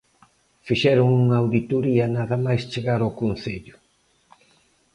Fixeron unha auditoría nada máis chegar ao concello.